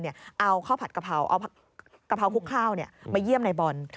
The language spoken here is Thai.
เอาข้าวผัดกะเพราเอากะเพราคุกข้าวมาเยี่ยมในบอล